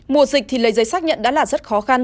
mùa dịch thì lấy giấy xác nhận đã là rất khó khăn